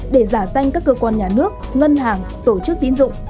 để giả danh các cơ quan nhà nước ngân hàng tổ chức tín dụng